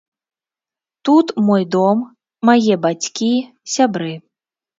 Тут мой дом, мае бацькі, сябры.